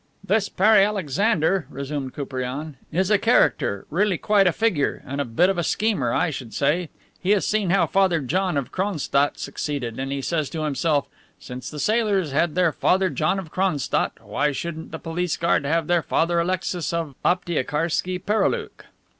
"This Pere Alexander," resumed Koupriane, "is a character, really quite a figure. And a bit of a schemer, I should say. He has seen how Father John of Cronstadt succeeded, and he says to himself, 'Since the sailors had their Father John of Cronstadt, why shouldn't the police guard have their Father Alexis of Aptiekarski Pereoulok?